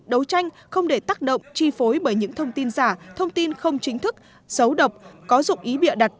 đấu tranh không để tác động chi phối bởi những thông tin giả thông tin không chính thức xấu độc có dụng ý bịa đặt